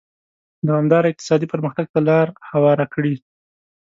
دوامداره اقتصادي پرمختګ ته لار هواره کړي.